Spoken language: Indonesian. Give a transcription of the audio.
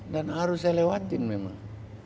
dan harus saya lewatin memang